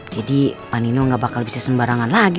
jadi panino gak bakal bisa sembarangan lagi